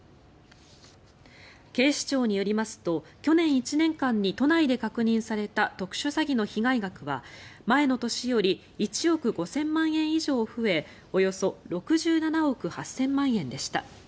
警視庁によりますと去年１年間に都内で確認された特殊詐欺の被害額は、前の年より１億５０００万円以上増えおよそ６７億８０００万円でした。